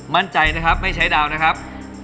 มั่นใจนะครับไม่ใช้ดาวนะครับ